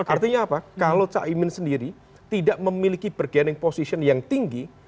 artinya apa kalau caimin sendiri tidak memiliki bergening position yang tinggi